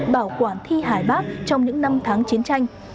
bảo quản thi hải bác trong những năm tháng chiến tranh